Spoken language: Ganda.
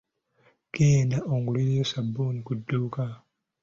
Genda ongulireyo ssabuuni ku dduuka.